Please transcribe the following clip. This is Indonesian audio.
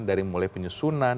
dari mulai penyusunan